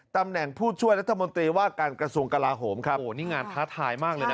ตำแหน่งผู้ช่วยรัฐมนตรีว่าการกระทรวงกลาโหมครับโอ้โหนี่งานท้าทายมากเลยนะ